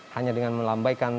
hanya dengan melambaikan tangan